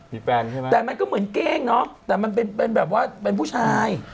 มีแฟนใช่ไหมแต่มันก็เหมือนเก้งเนาะแต่มันเป็นเป็นแบบว่าเป็นผู้ชาย